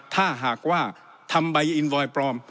ถ้าหากว่าทำใบอินวอยปลอม